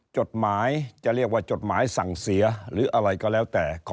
จดหมายจะเรียกว่าจดหมายสั่งเสียหรืออะไรก็แล้วแต่